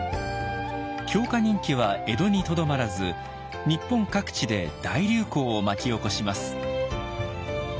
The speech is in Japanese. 狂歌人気は江戸にとどまらず日本各地で大流行を巻き起こします。